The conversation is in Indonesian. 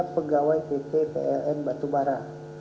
pegawai pt pln batubara